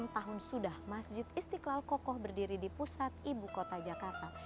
enam tahun sudah masjid istiqlal kokoh berdiri di pusat ibu kota jakarta